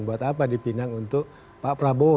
buat apa dipinang untuk pak prabowo